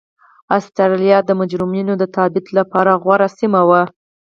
اسټرالیا د مجرمینو د تبعید لپاره غوره سیمه وه.